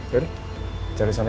yaudah cari sana ya